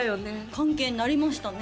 関係になりましたね